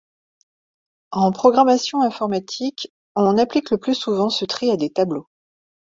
En programmation informatique, on applique le plus souvent ce tri à des tableaux.